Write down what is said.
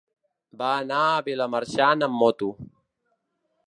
Va anar a Vilamarxant amb moto.